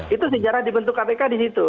itu sejarah dibentuk kpk di situ